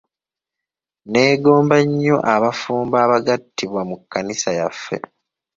Neegomba nnyo abafumbo abagattibwa mu kkanisa yaffe.